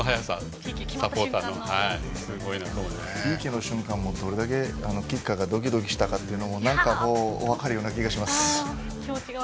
ＰＫの瞬間もどれだけキッカーがドキドキしたか分かるような気がします。